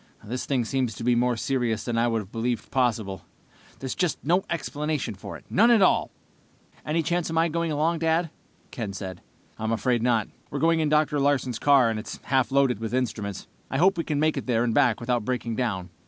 "This thing seems to be more serious than I would have believed possible. There's just no explanation for it, none at all!" "Any chance of my going along, Dad?" Ken said. "I'm afraid not. We're going in Dr. Larsen's car, and it's half loaded with instruments. I hope we make it there and back without breaking down.